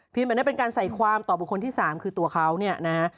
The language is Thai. แบบนี้เป็นการใส่ความต่อบุคคลที่๓คือตัวเขาเนี่ยนะฮะ